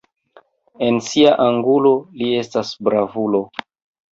En sia angulo li estas bravulo.